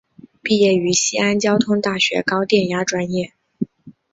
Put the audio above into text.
毕业于西安交通大学高电压专业。